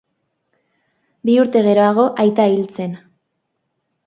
Bi urte geroago aita hil zen.